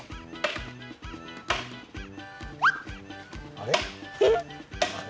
あれ？